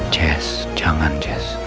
jess jangan jess